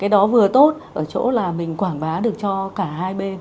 thứ tốt ở chỗ là mình quảng bá được cho cả hai bên